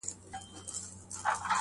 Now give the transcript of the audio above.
دومره له محتوا نه ډکه درنه بيانيه ورکړي